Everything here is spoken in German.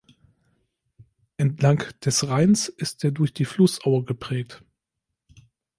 Entlang des Rheins ist er durch die Flussaue geprägt.